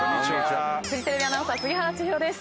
フジテレビアナウンサー杉原千尋です。